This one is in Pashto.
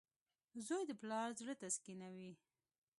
• زوی د پلار زړۀ تسکینوي.